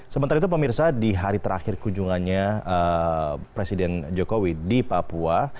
sementara itu pemirsa di hari terakhir kunjungannya presiden jokowi di papua